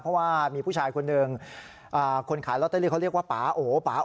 เพราะว่ามีผู้ชายคนหนึ่งคนขายลอตเตอรี่เขาเรียกว่าป่าโอป่า